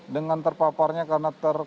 dengan terpaparnya karena terlalu banyak